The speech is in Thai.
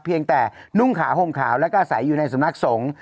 เพียงแต่นุ่งขาวห่มขาวแล้วก็อาศัยอยู่ในสำนักสงฆ์